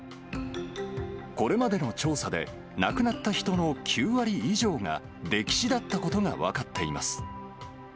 これまでの調査で、亡くなった人の９割以上が溺死だったことが分かっています。